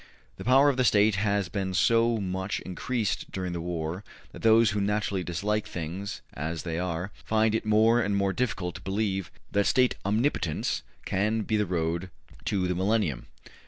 The power of the State has been so much increased during the war that those who naturally dislike things as they are, find it more and more difficult to believe that State omnipotence can be the road to the millennium.